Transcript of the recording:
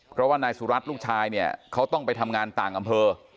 เพราะว่านายสุรัตน์ลูกชายเนี่ยเขาต้องไปทำงานต่างอำเภอ